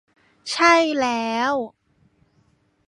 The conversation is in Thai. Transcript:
ใช่แล้ว